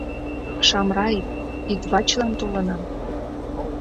— Шамраев, избачлан толынам.